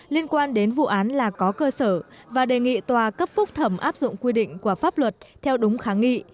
liên quan đến vụ án là có cơ sở và đề nghị tòa cấp phúc thẩm áp dụng quy định của pháp luật theo đúng kháng nghị